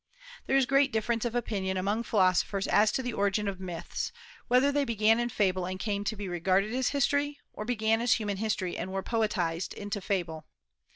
There is great difference of opinion among philosophers as to the origin of myths, whether they began in fable and came to be regarded as history, or began as human history and were poetized into fable.